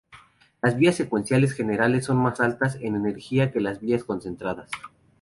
Las vías secuenciales generales son más altas en energía que las vías concertadas.